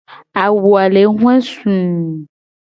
Awu a le hoe suu.